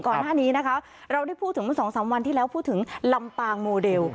ก่อนหน้านี้นะคะเราได้พูดถึงเมื่อสองสามวันที่แล้วพูดถึงลำปางโมเดล